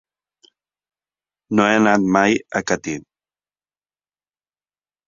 No he anat mai a Catí.